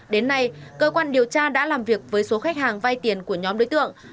đến nay cơ quan điều tra đã làm việc với số khách hàng vay tiền của nhóm đối tượng